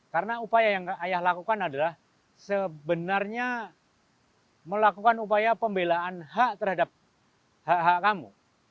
karena upaya yang ayah lakukan adalah sebenarnya melakukan upaya pembelaan hak terhadap hak hak kamu